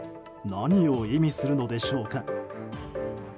何を意味するのでしょうか。